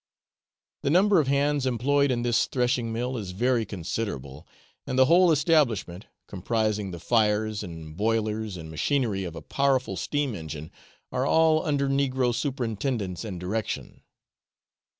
The number of hands employed in this threshing mill is very considerable, and the whole establishment, comprising the fires and boilers and machinery of a powerful steam engine, are all under negro superintendence and direction.